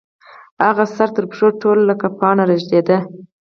هغه سر تر پښو ټوله لکه پاڼه رېږدېده.